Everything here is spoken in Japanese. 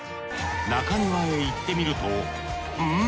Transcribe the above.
中庭へ行ってみるとん？